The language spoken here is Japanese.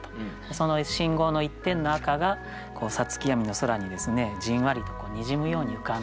その信号の一点の赤が五月闇の空にじんわりとにじむように浮かんでる。